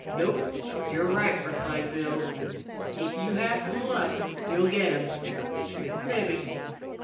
"Nope; you're right," replied Bill. "If you have some luck you'll get him mebbe.